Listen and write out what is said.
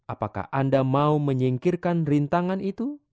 apakah anda mau menyingkirkan rintangan itu